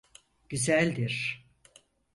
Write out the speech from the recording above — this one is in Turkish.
Güzeldir.